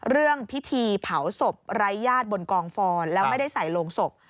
เรื่องพิธีเผาศพไร้ญาติบนกองฟอนแล้วไม่ได้ใส่โรงศพ